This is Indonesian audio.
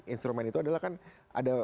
instrumen itu adalah kan ada